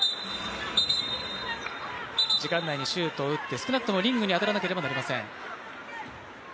時間内にシュートを打って、少なくともリングに当たらなければいけません。